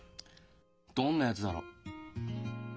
どんなやつだろう？